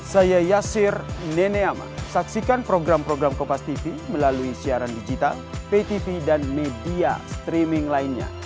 saya yassir neneama saksikan program program kompastv melalui siaran digital ptv dan media streaming lainnya